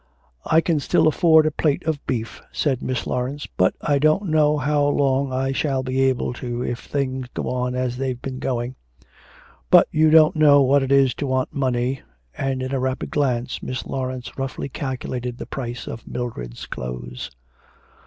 'I can still afford a plate of beef,' said Miss Laurence, 'but I don't know how long I shall be able to if things go on as they've been going. But you don't know what it is to want money,' and in a rapid glance Miss Laurence roughly calculated the price of Mildred's clothes.